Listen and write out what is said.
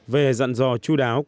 về dặn dò chú đáo